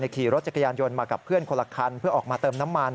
ขี่รถจักรยานยนต์มากับเพื่อนคนละคันเพื่อออกมาเติมน้ำมัน